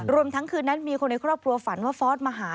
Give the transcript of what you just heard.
ทั้งคืนนั้นมีคนในครอบครัวฝันว่าฟอสมาหา